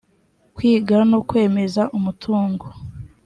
kwiga no kwemeza umutungo